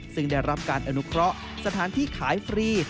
ซึ่งได้รับการอนุเคราะห์สถานที่ขายฟรี